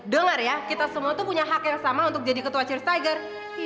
dengar ya kita semua tuh punya hak yang sama untuk jadi ketua cheers tiger